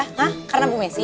ha karena bu messi